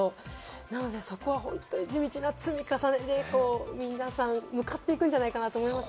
なのでそこは地道な積み重ねで皆さん、向かっていくんじゃないかなと思います。